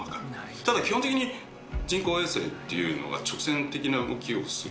ただ、基本的に人工衛星っていうのは、直線的な動きをする。